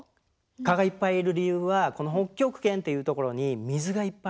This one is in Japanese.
蚊がいっぱいいる理由はこの北極圏っていう所に水がいっぱいあるから。